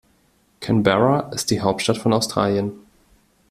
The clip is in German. Canberra ist die Hauptstadt von Australien.